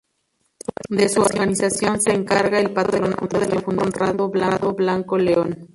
De su organización se encarga el Patronato de la Fundación Conrado Blanco León.